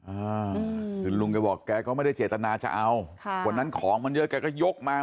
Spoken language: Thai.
อ่าคือลุงแกบอกแกก็ไม่ได้เจตนาจะเอาค่ะวันนั้นของมันเยอะแกก็ยกมา